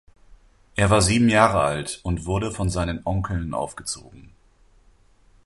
Er war sieben Jahre alt und wurde von seinen Onkeln aufgezogen.